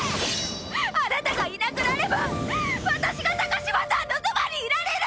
あなたがいなくなれば私が高嶋さんのそばにいられる！